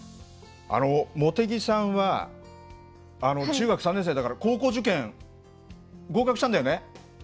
あの茂木さんは中学３年生だから高校受験合格したんだよね？